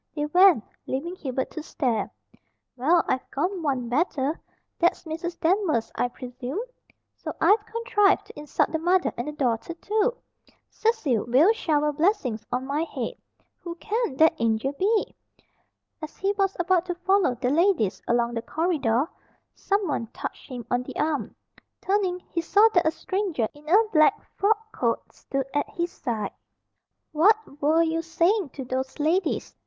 They went, leaving Hubert to stare. "Well I've gone one better! That's Mrs. Danvers, I presume. So I've contrived to insult the mother and the daughter too. Cecil will shower blessings on my head. Who can that Angel be?" As he was about to follow the ladies along the corridor, someone touched him on the arm. Turning, he saw that a stranger in a black frock coat stood at his side. "What were you saying to those ladies?"